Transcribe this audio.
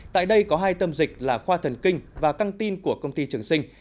tại đây có hai tâm dịch là khoa thần kinh và căng tin của công ty trường sinh